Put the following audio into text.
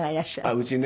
うちね。